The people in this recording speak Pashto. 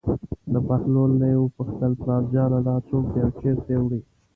له بهلول نه یې وپوښتل: پلارجانه دا څوک دی او چېرته یې وړي.